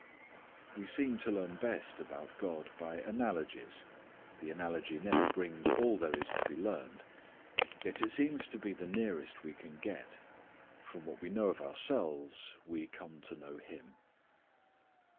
We seem to learn best about God by analogies. The analogy never brings all there is to be learned. Yet it seems to be the nearest we can get. From what we know of ourselves we come to know Him.